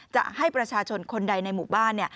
จะให้ประชาชนคนใดในหมู่บ้าน